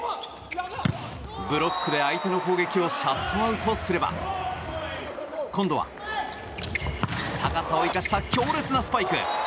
ブロックで相手の攻撃をシャットアウトすれば今度は、高さを生かした強烈なスパイク！